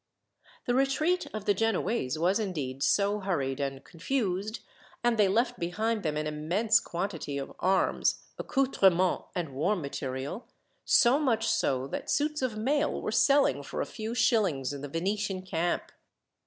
The retreat of the Genoese was indeed so hurried and confused, and they left behind them an immense quantity of arms, accoutrements, and war material, so much so that suits of mail were selling for a few shillings in the Venetian camp.